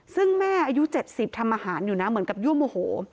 ซึ่งแม่อายุเจ็บสิบทำอาหารอยู่น่ะเหมือนกับย่วมโอโห